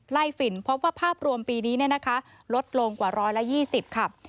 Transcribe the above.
ไล่ฝิ่นเพราะว่าภาพรวมปีนี้ลดลงกว่า๑๒๐ครับ